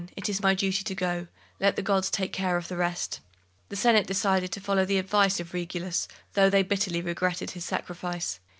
It is my duty to go; let the gods take care of the rest." The Senate decided to follow the advice of Regulus, though they bitterly regretted his sacrifice.